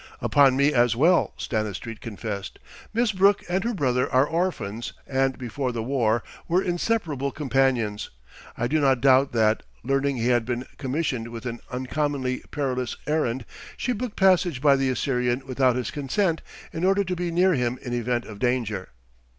"Upon me as well," Stanistreet confessed. "Miss Brooke and her brother are orphans and, before the war, were inseparable companions. I do not doubt that, learning he had been commissioned with an uncommonly perilous errand, she booked passage by the Assyrian without his consent, in order to be near him in event of danger."